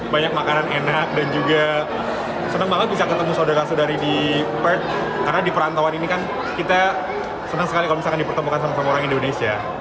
banyak makanan enak dan juga senang banget bisa ketemu saudara saudari di perth karena di perantauan ini kan kita senang sekali kalau misalkan dipertemukan sama sama orang indonesia